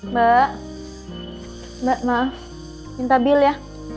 mbak mbak maaf minta bill ya